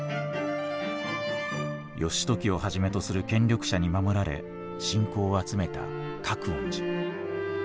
義時をはじめとする権力者に守られ信仰を集めた覚園寺。